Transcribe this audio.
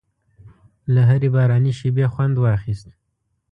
له هرې باراني شېبې خوند واخیست.